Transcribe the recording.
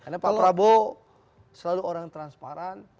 karena pak prabowo selalu orang transparan